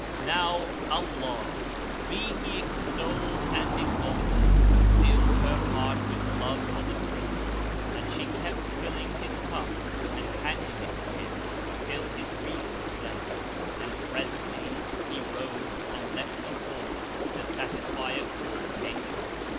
Now, Allah (be He extolled and exalted!) filled her heart with love for the Prince and she kept filling his cup and handing it to him till his reason fled; and presently he rose and left the hall to satisfy a call of nature.